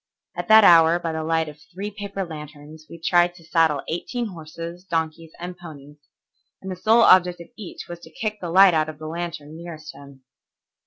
At that hour by the light of three paper lanterns we tried to saddle eighteen horses, donkeys, and ponies, and the sole object of each was to kick the light out of the lantern nearest him.